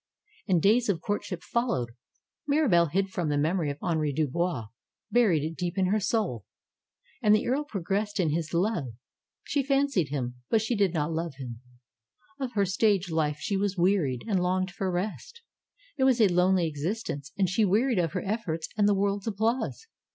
And days of courtship followed. Mirabelle hid from the memory of Henri Dubois; bur ied it deep in her soul. And the earl progressed in his love. She fancied him ; but did not love him. Of her stage life she was wearied, and longed for rest. It was a lonely existence, and she wearied of her efforts and the world^s applause.